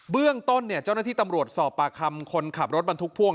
เรื่องต้นเจ้าหน้าที่ตำรวจสอบปากคำคนขับรถบรรทุกพ่วง